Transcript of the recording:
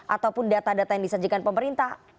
ataupun data data yang disajikan pemerintah